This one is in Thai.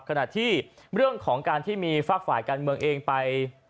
ขณะที่เรื่องของการที่มีฝากฝ่ายการเมืองเองไป